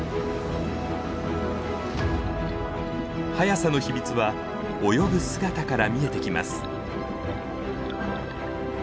速さの秘密は泳ぐ姿から見えてきます。